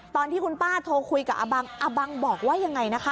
ตอนที่คุณป้าโทรคุยกับอาบังอาบังบอกว่ายังไงนะคะ